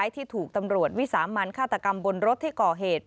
ที่ถูกตำรวจวิสามันฆาตกรรมบนรถที่ก่อเหตุ